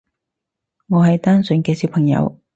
我係單純嘅小朋友